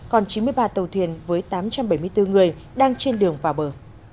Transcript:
còn chín mươi ba tàu thuyền với tám trăm bảy mươi bốn người đang trên đường vào bờ